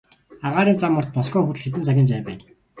Агаарын зам урт, Москва хүртэл хэдэн цагийн зай байна.